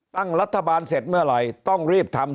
ตั้งรัฐบาลเสร็จเมื่อไหร่ต้องรีบทำ